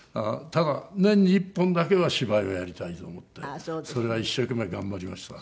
ただ年に１本だけは芝居をやりたいと思ってそれは一生懸命頑張りました。